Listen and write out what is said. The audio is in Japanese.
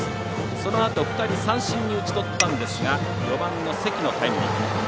そのあと、２人三振に打ちとったんですが４番の関のタイムリー。